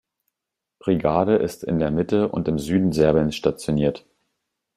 Brigade ist in der Mitte und im Süden Serbiens stationiert.